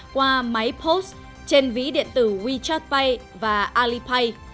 qua máy post trên ví điện tử wechat pay và alipay